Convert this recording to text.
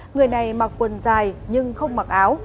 người này mặc quần dài nhưng không mặc áo